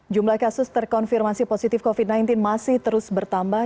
jumlah kasus terkonfirmasi positif covid sembilan belas masih terus bertambah